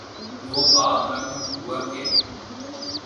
وہ باب رقم ہوا کہ